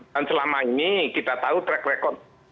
dan selama ini kita tahu track record